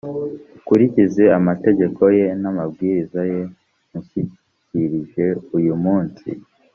ukurikize amategeko ye n’amabwiriza ye ngushyikirije uyu munsi.